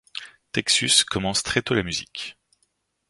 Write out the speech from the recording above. Txus commence très tôt la musique.